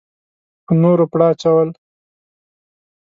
په نورو پړه اچول.